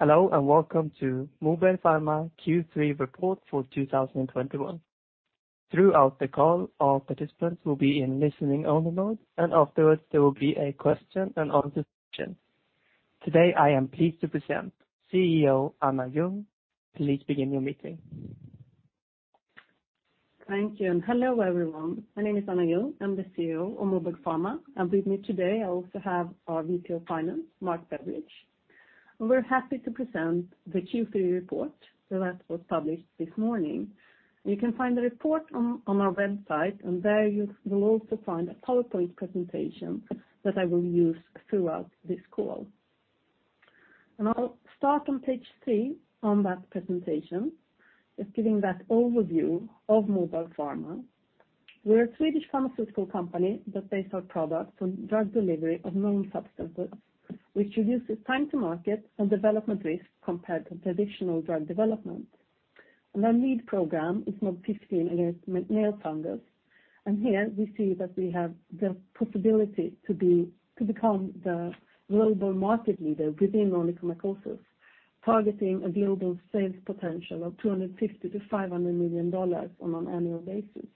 Hello, and welcome to Moberg Pharma Q3 report for 2021. Throughout the call, all participants will be in listening-only mode, and afterwards, there will be a question and answer session. Today, I am pleased to present CEO Anna Ljung. Please begin your meeting. Thank you, and hello, everyone. My name is Anna Ljung. I'm the CEO of Moberg Pharma, and with me today, I also have our VP of Finance, Mark Beveridge. We're happy to present the Q3 report that was published this morning. You can find the report on our website, and there you will also find a PowerPoint presentation that I will use throughout this call. I'll start on page three on that presentation. Just giving that overview of Moberg Pharma. We're a Swedish pharmaceutical company that base our products on drug delivery of known substances, which reduces time to market and development risk compared to traditional drug development. Our lead program is MOB-015 against nail fungus, and here we see that we have the possibility to become the global market leader within onychomycosis, targeting a global sales potential of $250 million-$500 million on an annual basis.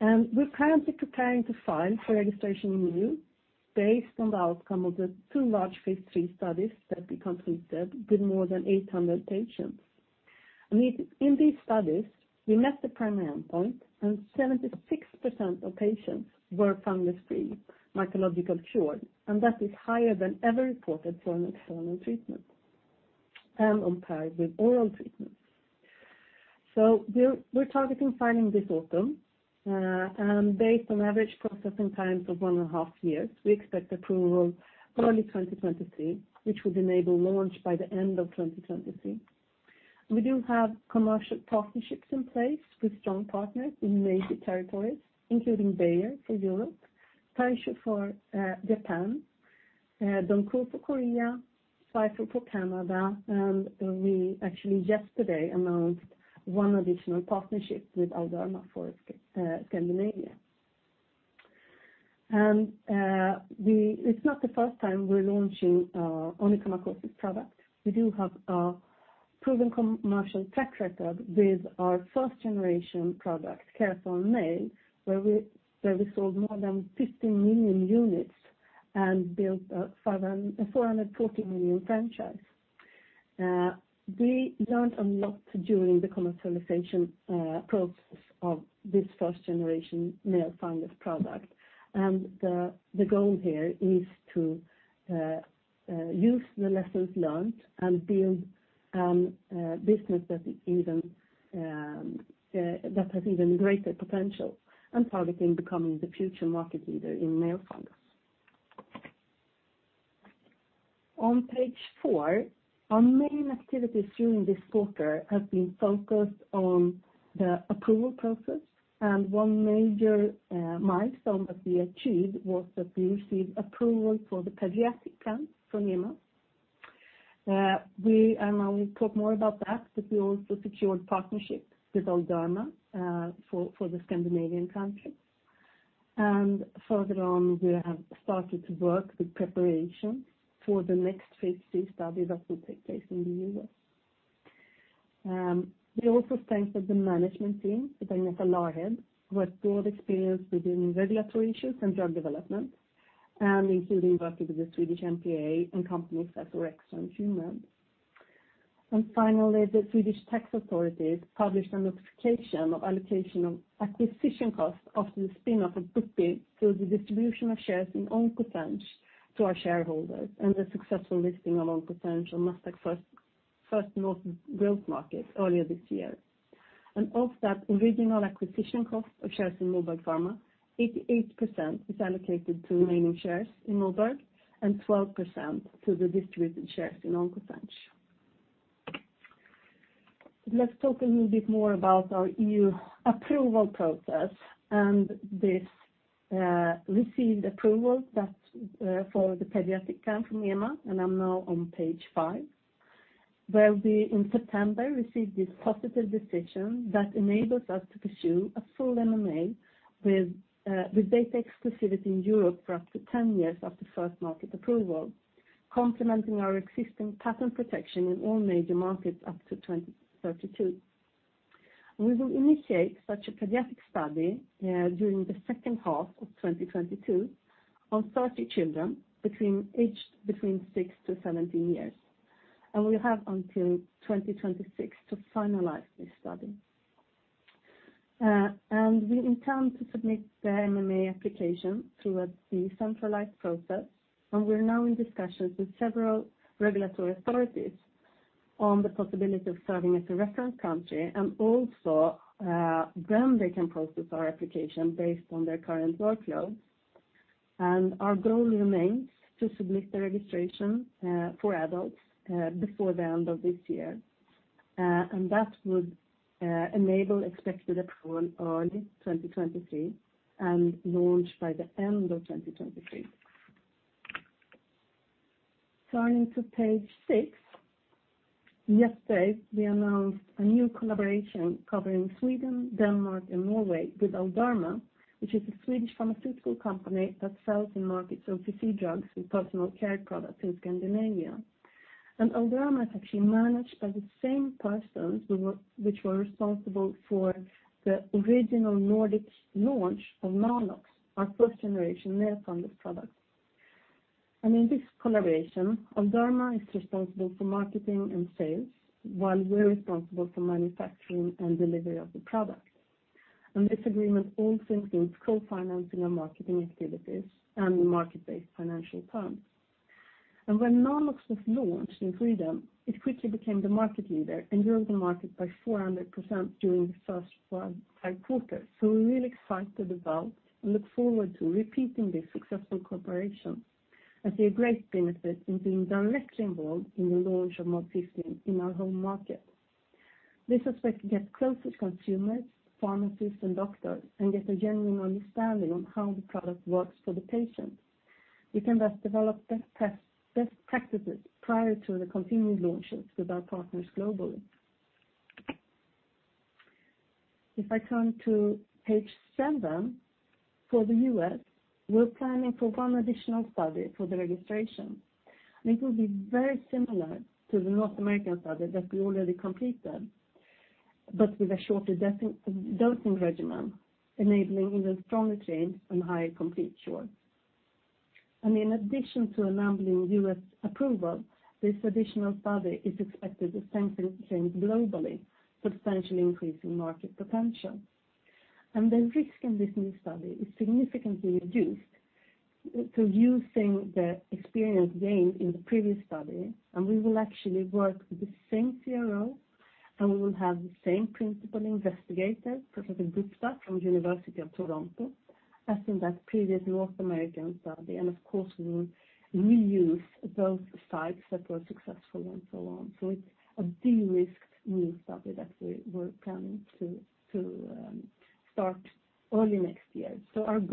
We're currently preparing to file for registration in EU based on the outcome of the two large Phase 3 studies that we completed with more than 800 patients. In these studies, we met the primary endpoint, and 76% of patients were fungus-free, mycological cure, and that is higher than ever reported for an external treatment and on par with oral treatments. We're targeting filing this autumn, and based on average processing time of one and a half years, we expect approval early 2023, which would enable launch by the end of 2023. We do have commercial partnerships in place with strong partners in major territories, including Bayer for Europe, Taisho for Japan, DongKoo for Korea, Cipher for Canada, and we actually yesterday announced one additional partnership with Allderma for Scandinavia. It's not the first time we're launching our onychomycosis product. We do have a proven commercial track record with our first-generation product, Kerasal Nail, where we sold more than 50 million units and built a 440 million franchise. We learned a lot during the commercialization process of this first-generation nail fungus product. The goal here is to use the lessons learned and build business that has even greater potential and targeting becoming the future market leader in nail fungus. On page four, our main activities during this quarter have been focused on the approval process, and one major milestone that we achieved was that we received approval for the pediatric plan from EMA. I will talk more about that, but we also secured partnerships with Allderma for the Scandinavian countries. Further on, we have started to work with preparation for the next Phase 3 study that will take place in the U.S. We also strengthened the management team with Agneta Larhed, who has broad experience within regulatory issues and drug development, including working with the Swedish MPA and companies such as Orexo and [Humana.] Finally, the Swedish tax authorities published a notification of allocation of acquisition costs after the spin-off of Bupi through the distribution of shares in OncoZenge to our shareholders and the successful listing of OncoZenge on Nasdaq First North Growth Market earlier this year. Of that original acquisition cost of shares in Moberg Pharma, 88% is allocated to remaining shares in Moberg and 12% to the distributed shares in OncoZenge. Let's talk a little bit more about our EU approval process and this received approval for the pediatric plan from EMA, and I'm now on page five, where we, in September, received this positive decision that enables us to pursue a full MAA with data exclusivity in Europe for up to 10 years after first market approval, complementing our existing patent protection in all major markets up to 2032. We will initiate such a pediatric study during the second half of 2022 on 30 children aged between 6-17 years. We have until 2026 to finalize this study. We intend to submit the MAA application through a decentralized process, and we're now in discussions with several regulatory authorities on the possibility of serving as a reference country and also when they can process our application based on their current workflow. Our goal remains to submit the registration for adults before the end of this year. That would enable expected approval early 2023 and launch by the end of 2023. Turning to page six. Yesterday, we announced a new collaboration covering Sweden, Denmark, and Norway with Allderma, which is a Swedish pharmaceutical company that sells and markets OTC drugs and personal care products in Scandinavia. Allderma is actually managed by the same persons which were responsible for the original Nordic launch of Nalox, our first generation nail fungus product. In this collaboration, Allderma is responsible for marketing and sales, while we're responsible for manufacturing and delivery of the product. This agreement also includes co-financing our marketing activities and market-based financial terms. When Nalox was launched in Sweden, it quickly became the market leader and grew the market by 400% during the first quarter. We're really excited about and look forward to repeating this successful cooperation and see a great benefit in being directly involved in the launch of MOB-015 in our home market. This aspect gets us closer to consumers, pharmacists and doctors and gets us a genuine understanding on how the product works for the patient. We can thus develop best practices prior to the continued launches with our partners globally. If I turn to page seven, for the U.S., we're planning for one additional study for the registration. It will be very similar to the North American study that we already completed, but with a shorter dosing regimen, enabling even stronger change and higher complete cure. In addition to enabling U.S. approval, this additional study is expected to strengthen things globally, substantially increasing market potential. The risk in this new study is significantly reduced through using the experience gained in the previous study, and we will actually work with the same CRO, and we will have the same principal investigator, Professor Gupta from University of Toronto, as in that previous North American study. Of course, we will reuse both sites that were successful and so on. It's a de-risked new study that we're planning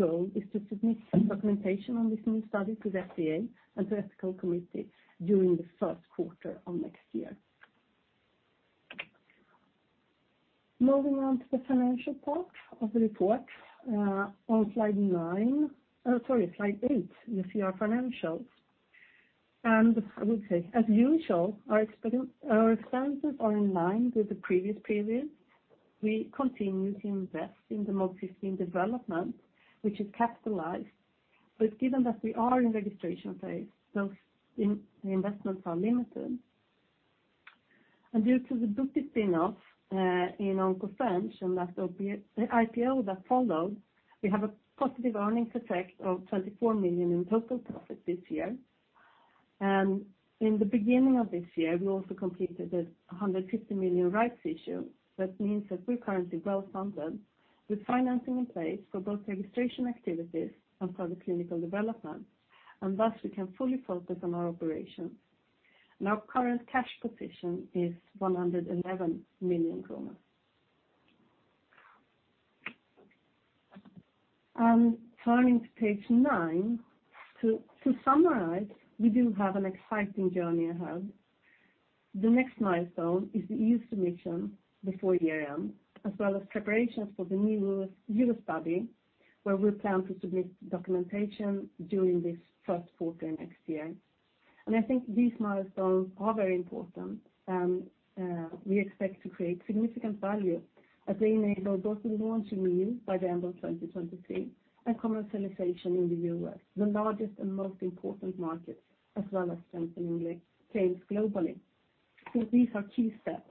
to start early next year. Our goal is to submit the documentation on this new study to the FDA and to ethics committee during the first quarter of next year. Moving on to the financial part of the report, on slide nine. Sorry, slide eight, you see our financials. I would say, as usual, our expenses are in line with the previous period. We continue to invest in the MOB-015 development, which is capitalized. Given that we are in registration phase, those investments are limited. Due to the Bupi spin-off in OncoZenge, and that's the IPO that followed, we have a positive earnings effect of 24 million in total profit this year. In the beginning of this year, we also completed the 150 million rights issue. That means that we're currently well-funded with financing in place for both registration activities and for the clinical development. Thus, we can fully focus on our operations. Our current cash position is 111 million kronor. Turning to page nine, to summarize, we do have an exciting journey ahead. The next milestone is the EU submission before year-end, as well as preparations for the new U.S. study, where we plan to submit documentation during this first quarter next year. I think these milestones are very important, and we expect to create significant value as they enable both the launch in EU by the end of 2023 and commercialization in the U.S., the largest and most important market, as well as strengthening the sales globally. These are key steps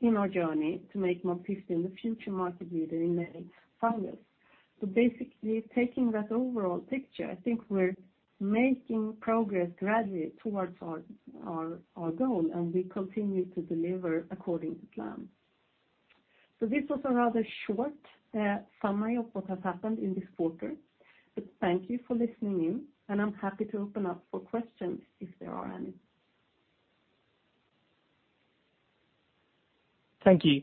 in our journey to make MOB-015 the future market leader in [many silos.] Basically, taking that overall picture, I think we're making progress gradually towards our goal, and we continue to deliver according to plan. This was a rather short summary of what has happened in this quarter. Thank you for listening in, and I'm happy to open up for questions if there are any. Thank you.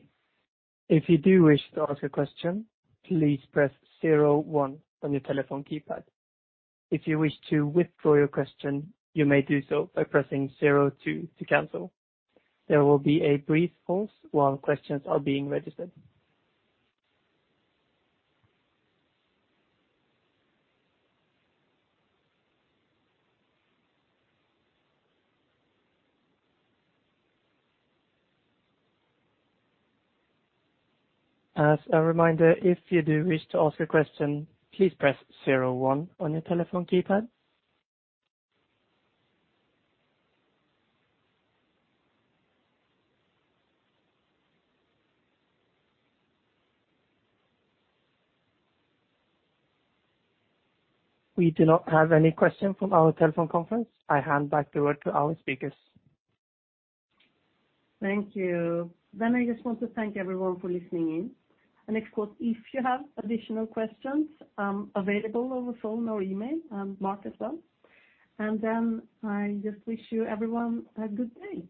If you do wish to ask a question, please press zero one on your telephone keypad. If you wish to withdraw your question, you may do so by pressing zero two to cancel. There will be a brief pause while questions are being registered. As a reminder, if you do wish to ask a question, please press zero one on your telephone keypad. We do not have any question from our telephone conference. I hand back the word to our speakers. Thank you. I just want to thank everyone for listening in. Of course, if you have additional questions, I'm available over phone or email, and Mark as well. I just wish you, everyone, a good day.